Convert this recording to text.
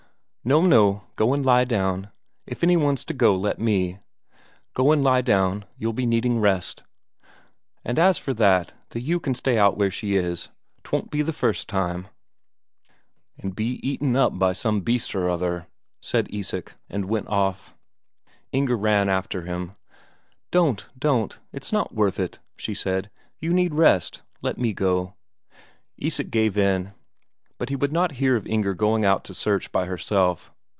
"No, no, go and lie down. If any one's to go, let me. Go and lie down, you'll be needing rest. And as for that, the ewe can stay out where she is 'twon't be the first time." "And be eaten up by some beast or other," said Isak, and went off. Inger ran after him. "Don't, don't, it's not worth it," she said. "You need rest. Let me go." Isak gave in. But he would not hear of Inger going out to search by herself.